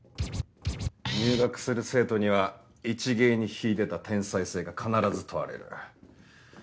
入学する生徒には一芸に秀でた天才性が必ず問われる。